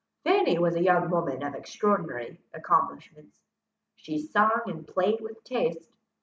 Fanny was a young woman of extraordinary accomplishments. She sung and played with taste.